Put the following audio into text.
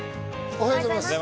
おはようございます。